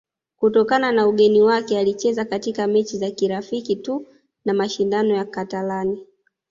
kutokana na ugeni wake alicheza katika mechi za kirafiki tu na mashindano ya katalani